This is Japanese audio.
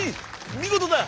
みごとだ！」